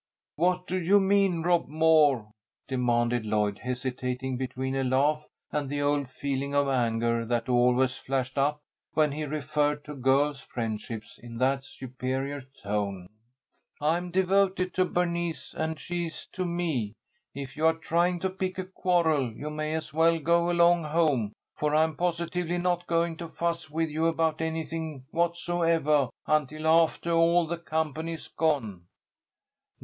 "What do you mean, Rob Moore?" demanded Lloyd, hesitating between a laugh and the old feeling of anger that always flashed up when he referred to girls' friendships in that superior tone. "I am devoted to Bernice and she is to me. If you are trying to pick a quarrel you may as well go along home, for I'm positively not going to fuss with you about anything whatsoevah until aftah all the company is gone."